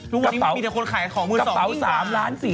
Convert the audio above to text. ทุกคนมีแต่คนขายของมือสองนิ่งกว่า